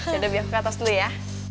ya udah biar aku ke atas dulu ya